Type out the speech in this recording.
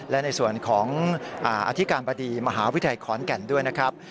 และในส่วนของอธิการบดีมหาวิทยาลัยขอนแก่นด้วยนะครับ